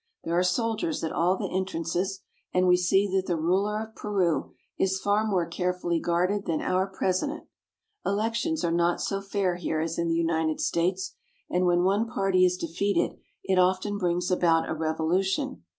There are soldiers at all the entrances, and we see that the ruler of Peru is far more carefully guarded than our president. Elections are not so fair here as in the United States, and when one party is defeat ed it often brings about a revolution.